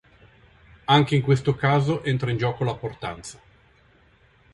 Anche in questo caso entra in gioco la portanza.